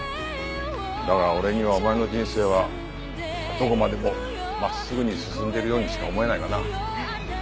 だが俺にはお前の人生はどこまでも真っすぐに進んでいるようにしか思えないがな。